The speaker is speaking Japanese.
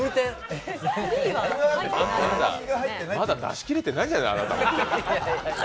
まだ出し切れてないんじゃない？